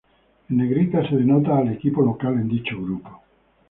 En negrita se denota al equipo local en dicho grupo.